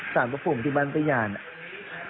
สารพระภูมิที่บ้านพยานอ่ะ